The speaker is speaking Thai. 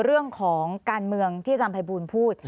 เรื่องของการเมืองที่จำไพบูลพูด